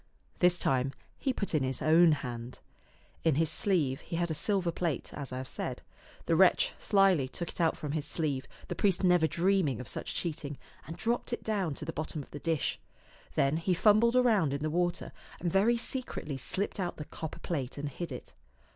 This time he put in his own hand. In his sleeve he had a silver plate, as I have said. The wretch slyly took it out from his sleeve, the priest never dreaming of such cheating, and dropped it down to the bottom of the dish. Then he fumbled around in the water and very secretly slipped out the copper plate and hid it.